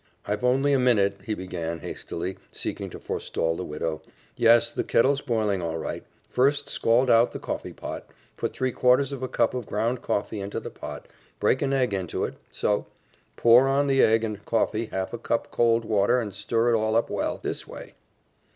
"I've only a minute," he began hastily, seeking to forestall the widow. "Yes, the kettle's boiling all right. First scald out the coffeepot put three quarters of a cup of ground coffee into the pot, break an egg into it, so; pour on the egg and coffee half a cup of cold water and stir it all up well, this way.